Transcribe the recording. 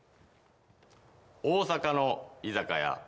大阪の居酒屋。